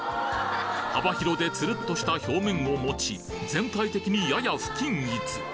幅広でツルッとした表面を持ち全体的にやや不均一